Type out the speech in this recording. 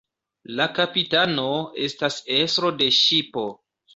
La "kapitano" estas estro de ŝipo.